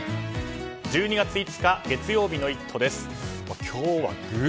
１２月５日月曜日の「イット！」